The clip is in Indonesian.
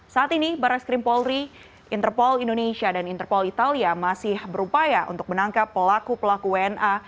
saat ini barres krim polri interpol indonesia dan interpol italia masih berupaya untuk menangkap pelaku pelaku wna